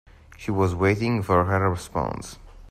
She was waiting for her response.